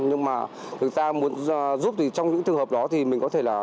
nhưng mà thực ra muốn giúp thì trong những trường hợp đó thì mình có thể là